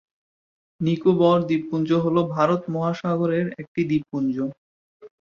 নিকোবর দ্বীপপুঞ্জ হল ভারত মহাসাগর-এর একটি দ্বীপপুঞ্জ।